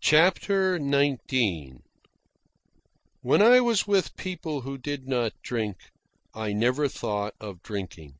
CHAPTER XIX When I was with people who did not drink, I never thought of drinking.